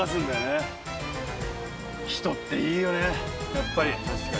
やっぱり。